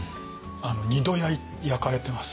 ２度焼かれてます。